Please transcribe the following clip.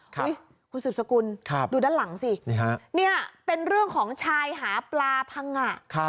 คุณสืบสกุลดูด้านหลังสินี่เป็นเรื่องของชายหาปลาพังงะ